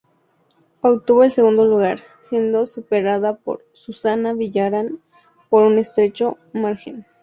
Obtuvo el segundo lugar, siendo superada por Susana Villarán por un estrecho margen.